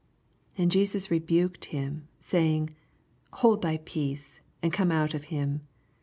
35 And Jesus rebuked him, saying, Hold thy peace, and come out of him.